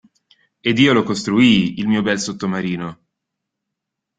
Ed io lo costruii, il mio bel sottomarino.